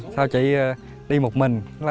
sao chị đi một mình